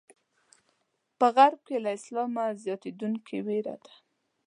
په غرب کې له اسلامه زیاتېدونکې وېره ده.